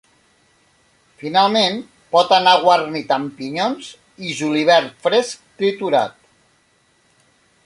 Finalment, pot anar guarnit amb pinyons i julivert fresc triturat.